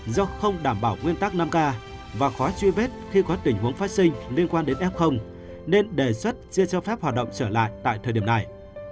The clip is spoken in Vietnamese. do không đảm bảo nguyên tắc năm k và khó truy vết khi có tình huống phát sinh liên quan đến f nên đề xuất chưa cho phép hoạt động trở lại tại thời điểm này